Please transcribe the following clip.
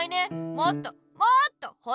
もっともっとほしい。